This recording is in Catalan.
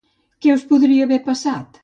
Què us podria haver separat?